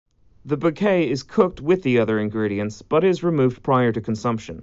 The bouquet is cooked with the other ingredients, but is removed prior to consumption.